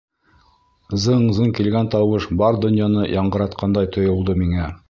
«Зың-зың» килгән тауыш бар донъяны яңғыратҡандай тойолдо миңә.